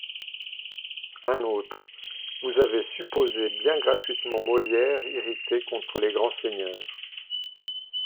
Un autre :« Vous avez supposé bien gratuitement Molière irrité contre les grands seigneurs.